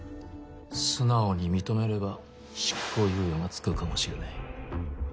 素直に認めれば執行猶予がつくかもしれない。